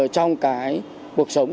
trong cái cuộc sống